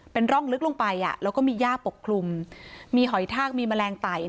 เป็นร่องลึกลงไปแล้วก็มีย่าปกคลุมมีหอยทากมีแมลงไต่